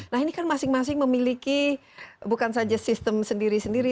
nah ini kan masing masing memiliki bukan saja sistem sendiri sendiri